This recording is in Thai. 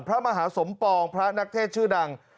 พระมหาสมปองพระนักเทศชื่อดัง